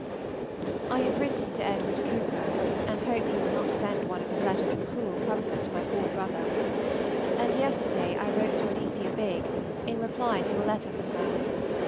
I have written to Edward Cooper, and hope he will not send one of his letters of cruel comfort to my poor brother: and yesterday I wrote to Alethea Bigg, in reply to a letter from her.